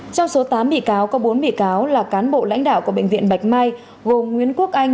trong số tám bị cáo có bốn bị cáo là cán bộ lãnh đạo của bệnh viện bạch mai gồm nguyễn quốc anh